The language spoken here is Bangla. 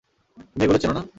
তুমি এগুলো চেন না?